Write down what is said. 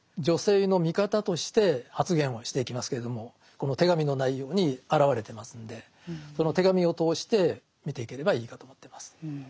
女性の味方として発言をしていきますけれどもこの手紙の内容に表れてますんでその手紙を通して見ていければいいかと思ってます。